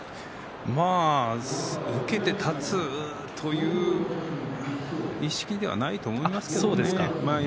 まあ、受けて立つという意識ではないと思いますけれどね。